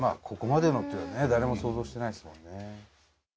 ここまでのっていうのはね誰も予想してないですもんね。